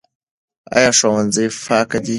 ایا ښوونځی پاک دی؟